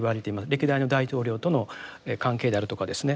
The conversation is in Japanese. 歴代の大統領との関係であるとかですね。